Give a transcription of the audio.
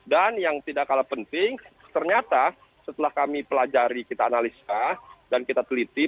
dan yang tidak kalah penting ternyata setelah kami pelajari kita analisa dan kita teliti